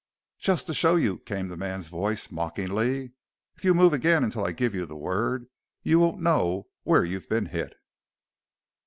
"Just to show you!" came the man's voice, mockingly. "If you move again until I give the word you won't know where you've been hit!"